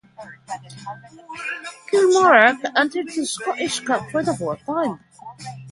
Kilmarnock entered the Scottish Cup for the fourth time.